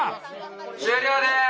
終了です！